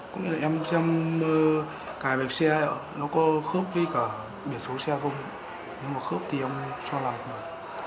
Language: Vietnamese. cũng như là em xem cài vẹt xe ạ nó có khớp với cả biển số xe không nhưng mà khớp thì em cho lòng